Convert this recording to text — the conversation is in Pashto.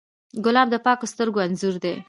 ګلاب د پاکو سترګو انځور دی.